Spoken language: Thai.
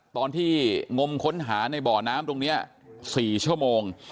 ตอนที่งมค้นหาในบ่อน้ำตรงนี้๔ชั่วโมง